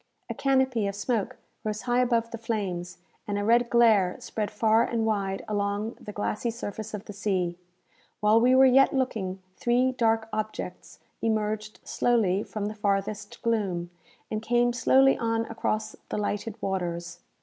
A canopy of smoke rose high above the flames, and a red glare spread far and wide along the glassy surface of the sea. While we were yet looking, three dark objects emerged slowly from the farthest gloom, and came slowly on across the lighted waters.